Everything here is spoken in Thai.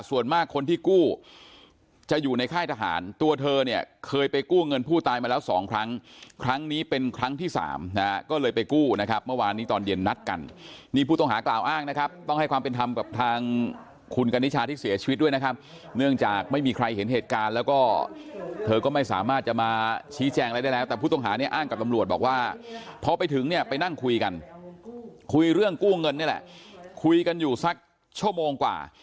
ว่าคนที่กู้จะอยู่ในค่ายทหารตัวเธอเนี้ยเคยไปกู้เงินผู้ตายมาแล้วสองครั้งครั้งนี้เป็นครั้งที่สามนะฮะก็เลยไปกู้นะครับเมื่อวานนี้ตอนเย็นนัดกันนี่ผู้ต้องหากล่าวอ้างนะครับต้องให้ความเป็นทำกับทางคุณกันนิชาที่เสียชีวิตด้วยนะครับเนื่องจากไม่มีใครเห็นเหตุการณ์แล้วก็เธอก็ไม่สามารถจะมาชี้แจงอะไรได้แล้วแต่ผู้ต้อง